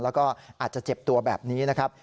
แล้วก็อาจจะเจ็บตัวแบบนี้นะครับ